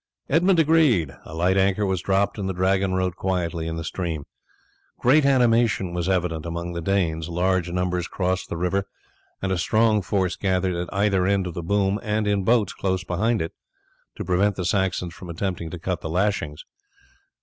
Edmund agreed, a light anchor was dropped, and the Dragon rode quietly in the stream. Great animation was evident among the Danes, large numbers crossed the river, and a strong force gathered at either end of the boom and in boats close behind it, to prevent the Saxons from attempting to cut the lashings.